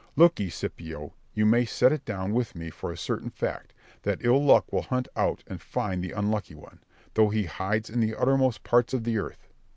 Look ye, Scipio, you may set it down with me for a certain fact, that ill luck will hunt out and find the unlucky one, though he hides in the uttermost parts of the earth.